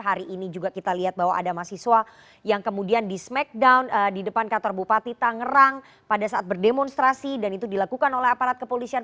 hari ini juga kita lihat bahwa ada mahasiswa yang kemudian di smackdown di depan kantor bupati tangerang pada saat berdemonstrasi dan itu dilakukan oleh aparat kepolisian